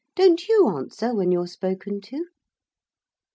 'Don't you answer when you're spoken to?'